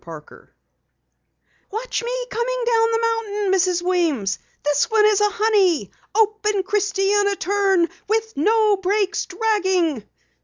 PARKER_ "Watch me coming down the mountain, Mrs. Weems! This one is a honey! An open christiana turn with no brakes dragging!"